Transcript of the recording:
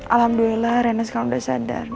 alhamdulillah rena sekarang sudah sadar